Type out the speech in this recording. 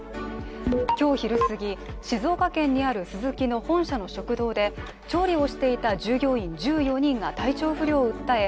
今日昼すぎ、静岡県にあるスズキの本社の食堂で調理をしていた従業員１４人が体調不良を訴え